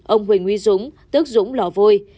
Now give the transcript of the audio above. ông huỳnh huy dũng tức dũng lò vôi